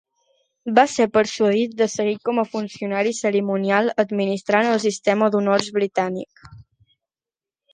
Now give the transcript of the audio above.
Va ser persuadit de seguir com a funcionari cerimonial administrant el Sistema d'Honors Britànic.